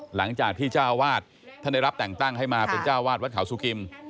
หลังจากที่เจ้าวาดท่านได้รับแต่งตั้งให้มาเป็นเจ้าวาดวัดเขาสุกิม